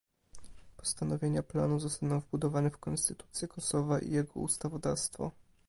Postanowienia planu zostaną wbudowane w konstytucję Kosowa i jego ustawodawstwo